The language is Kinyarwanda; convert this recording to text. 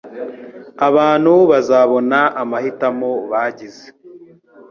Abantu bazabona amahitamo bagize.